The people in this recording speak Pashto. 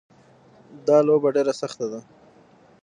دا لوبه ډېره سخته ده